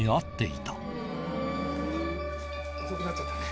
遅くなっちゃったね。